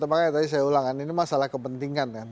makanya tadi saya ulang kan ini masalah kepentingan kan